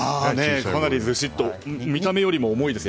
かなりずしっと見た目より重いです。